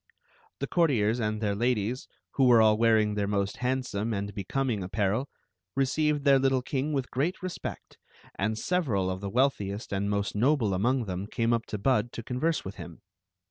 a The courtiers and their ladies, who were all tar ing their most handsome and becoming apparel, re ceived their little king with great respect, and several of the wealthiest and most noble among them came up to Bud to converse with him.